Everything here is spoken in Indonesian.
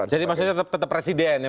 jadi maksudnya tetap presiden yang